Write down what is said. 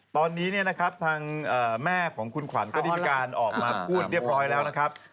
ตอนนี้เนี่ยนะครับทางแม่ของคุณขวัญก็ได้มีการออกมาพูดเรียบร้อยแล้วนะครับ